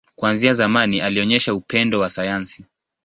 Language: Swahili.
Kuanzia zamani, alionyesha upendo wa sayansi.